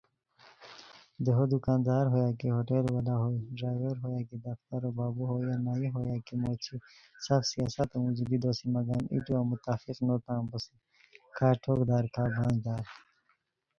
دیہو دکاندار ہویا کی ہوٹل وال ہوئے ڈائیویر ہویا کہ دفترو بابو ہوئے یا نائی ہویا کی موچی سف سیاستو موژی لو دوسی مگم ای لوا متفق نو تان بوسی کا ٹھوک دار کا بانج دار